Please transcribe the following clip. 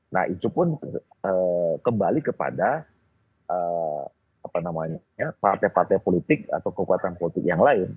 nah itu pun kembali kepada partai partai politik atau kekuatan politik yang lain